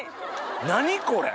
何これ！